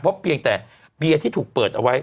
เพราะเพียงแต่เบียนที่ถูกเปิดเอาไว้